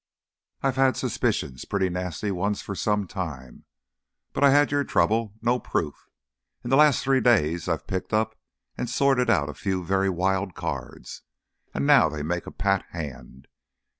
"I've had suspicions, pretty nasty ones, for some time. But I had your trouble—no proof. In the last three days I've picked up and sorted out a few very wild cards, and now they make a pat hand.